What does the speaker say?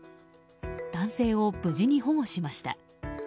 男性を無事に保護しました。